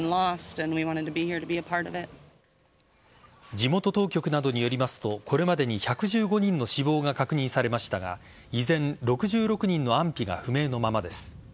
地元当局などによりますとこれまでに１１５人の死亡が確認されましたが依然、６６人の安否が不明のままです。